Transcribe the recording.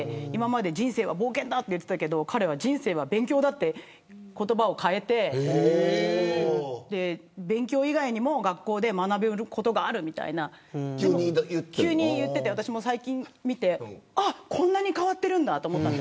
人生は冒険だって今まで言ってたけど人生は勉強だって言葉を変えて勉強以外にも学校で学べることがあるみたいな急に言ってて、最近見てこんなに変わってるんだと。